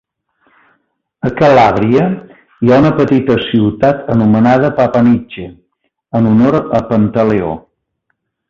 A Calàbria, hi ha una petita ciutat anomenada Papanice, en honor a Pantaleó.